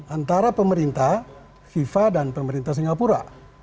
antara pemerintah fifa dan pemerintah singapura